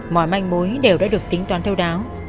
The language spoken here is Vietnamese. mọi manh mối đều đã được tính toán thấu đáo